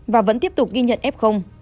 và vẫn tiếp tục ghi nhận f